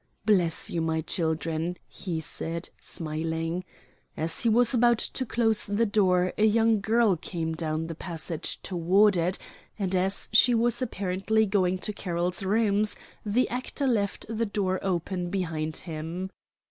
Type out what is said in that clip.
"Bless you, my children," he said, smiling. As he was about to close the door a young girl came down the passage toward it, and as she was apparently going to Carroll's rooms, the actor left the door open behind him.